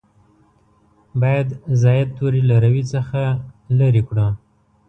باید زاید توري له روي څخه لرې کړو.